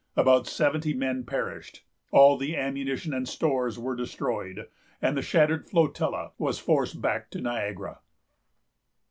About seventy men perished, all the ammunition and stores were destroyed, and the shattered flotilla was forced back to Niagara.